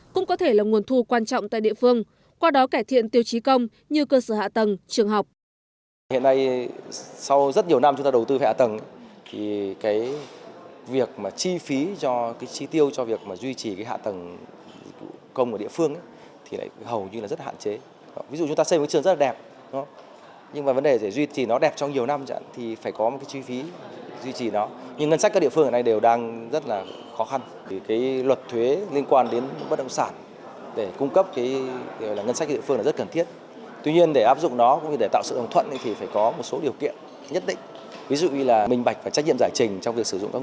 cũng có thể là nguồn thu quan trọng tại địa phương qua đó cải thiện tiêu chí công như cơ sở hạ tầng trường học